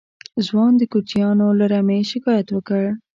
ځوان د کوچيانو له رمې شکايت وکړ.